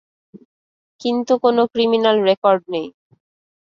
কিন্তু কোনো criminal record নেই।